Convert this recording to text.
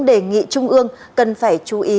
đề nghị trung ương cần phải chú ý